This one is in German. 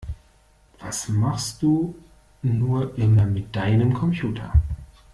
Was machst du nur immer mit deinem Computer?